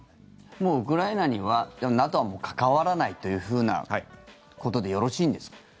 もうウクライナにはＮＡＴＯは関わらないというふうなことでよろしいんですか？